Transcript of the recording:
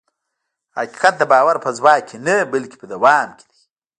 حقیقت د باور په ځواک کې نه، بلکې په دوام کې دی.